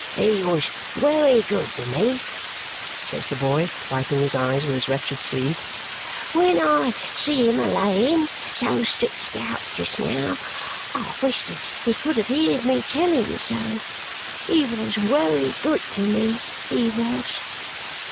"He was wery good to me," says the boy, wiping his eyes with his wretched sleeve. "Wen I see him a layin' so stritched out just now, I wished he could have heerd me tell him so. He wos wery good to me, he wos!"